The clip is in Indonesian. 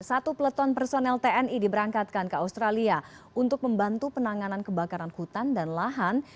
satu peleton personel tni diberangkatkan ke australia untuk membantu penanganan kebakaran hutan dan lahan